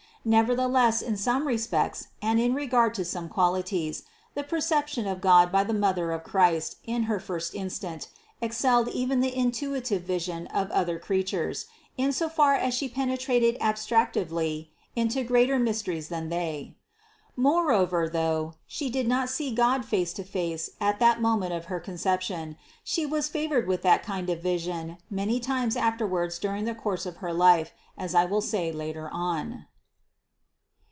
Nevertheless in some respects and in regard to some qualities, the perception of God by the Mother of Christ in her first instant, excelled even the intuitive vision of other creatures, in so far as She penetrated abstractive ly into greater mysteries than they. Moreover, though, She did not see God face to face at that moment of her Conception, She was favored with that kind of vision many times afterwards during the course of her life, as I will say later on.